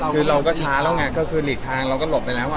คือเราก็ช้าแล้วไงก็คือหลีกทางเราก็หลบไปแล้ว